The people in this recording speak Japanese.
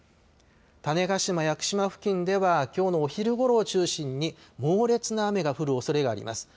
種子島・屋久島付近ではきょうのお昼ごろを中心に猛烈な雨が降るおそれがあります。